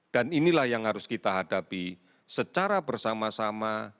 dan inilah yang harus kita hadapi secara bersama sama